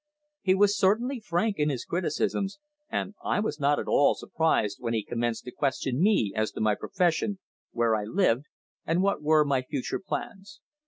He was certainly frank in his criticisms, and I was not at all surprised when he commenced to question me as to my profession, where I lived, and what were my future plans.